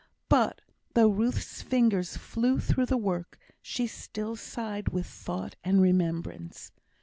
But though Ruth's fingers flew through the work, she still sighed with thought and remembrance.